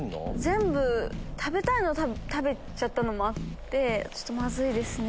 全部食べたいの食べちゃったのもあってまずいですね